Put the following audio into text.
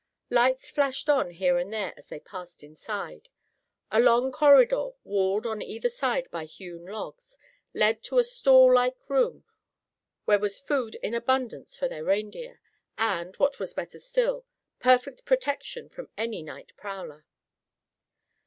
Lights flashed on here and there as they passed inside. A long corridor, walled on either side by hewn logs, led to a stall like room where was food in abundance for their reindeer, and, what was better still, perfect protection from any night prowler.